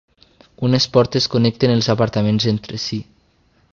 Unes portes connecten els apartaments entre si.